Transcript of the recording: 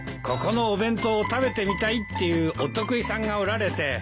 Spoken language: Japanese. ここのお弁当を食べてみたいっていうお得意さんがおられて。